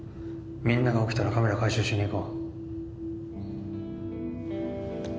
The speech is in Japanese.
みんなが起きたらカメラ回収しに行こう。